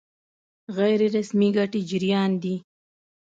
غیر رسمي ګټې جريان دي.